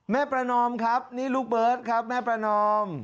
ประนอมครับนี่ลูกเบิร์ตครับแม่ประนอม